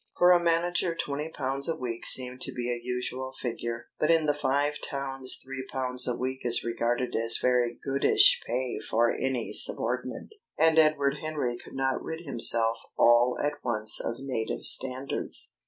For a manager twenty pounds a week seemed to be a usual figure. But in the Five Towns three pounds a week is regarded as very goodish pay for any subordinate, and Edward Henry could not rid himself all at once of native standards.